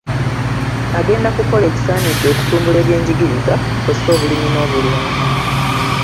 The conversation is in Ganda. Agenda kukola ekisaanidde okutumbula ebyenjigiriza kw’ossa obulimi n’obulunzi.